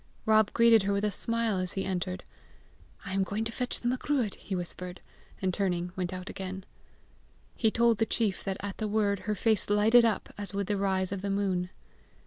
Rob greeted her with a smile as he entered. "I am going to fetch the Macruadh," he whispered, and turning went out again. He told the chief that at the word her face lighted up as with the rise of the moon.